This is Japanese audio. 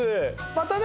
またね